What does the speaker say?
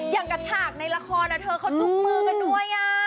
อย่างกระฉากในละครเธอเขาจุกมือกันด้วย